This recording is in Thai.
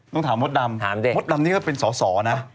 ต้องถามมดดำมดดำนี่ก็เป็นสอสอนะ